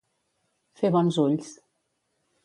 Fer bons ulls.